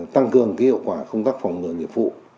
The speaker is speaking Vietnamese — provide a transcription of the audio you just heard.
tăng cường hiệu quả công tác phòng ngừa nghiệp vụ